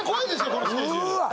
このスケジュールうわ